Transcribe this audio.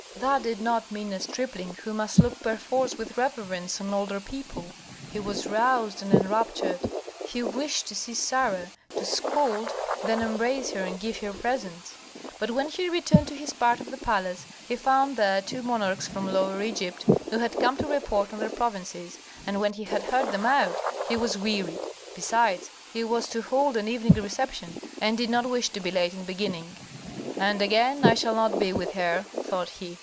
that did not mean a stripling who must look perforce with reverence on older people. He was roused and enraptured. He wished to see Sarah, to scold, then embrace her and give her presents. But when he returned to his part of the palace he found there two nomarchs from Lower Egypt who had come to report on their provinces, and when he had heard them out, he was wearied. Besides, he was to hold an evening reception and did not wish to be late in beginning. "And again I shall not be with her," thought he.